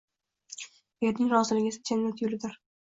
Erning roziligi esa jannat yo‘lidir